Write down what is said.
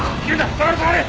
下がれ下がれ！